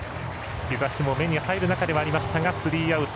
日ざしも目に入る中ではありましたがスリーアウト。